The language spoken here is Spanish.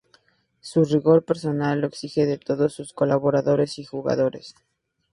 Su rigor personal, lo exige de todos sus colaboradores y jugadores.